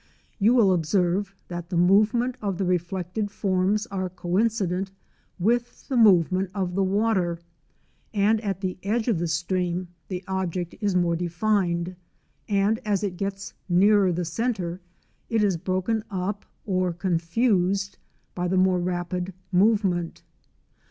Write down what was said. You will observe that the movement of the reflected forms are coincident with the movement of the water, and at the edge of the stream the object is more defined; and as it gets nearer the centre it is broken up or confused by the more rapid movement.